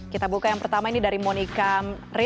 kita buka yang pertama ini dari monica rin